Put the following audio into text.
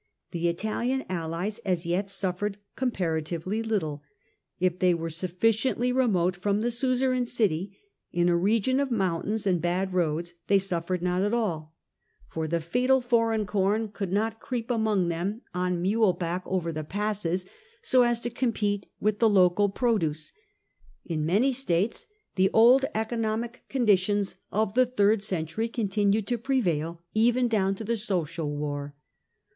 The Italian allies as yet suffered comparatively little ; if they were sufficiently remote from the suzerain city, in a region of mountains and bad roads, they suffered not at all : for the fatal 22 TIBERIUS GRACCHUS foreign corn could not creep among them on over the passes, so as to compete with the local produce. In many states the old economiG conditioiis of the third century continued to prevail even down to the Social War.